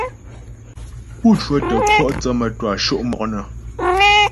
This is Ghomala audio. Pú cwə́tə kwɔ' thə́ mə́twâ sho' mɔk nə.